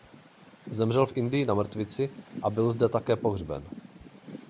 Zemřel v Indii na mrtvici a byl zde také pohřben.